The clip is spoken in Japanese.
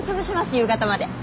夕方まで。